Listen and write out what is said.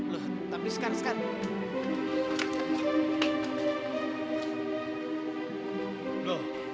loh tapi sekar sekar